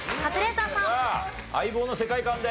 さあ『相棒』の世界観で。